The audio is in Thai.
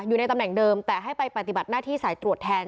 อยู่ในตำแหน่งเดิมแต่ให้ไปปฏิบัติหน้าที่สายตรวจแทน